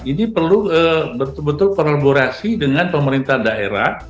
ini perlu betul betul kolaborasi dengan pemerintah daerah